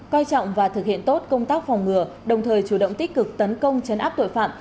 coi trọng và thực hiện tốt công tác phòng ngừa đồng thời chủ động tích cực tấn công chấn áp tội phạm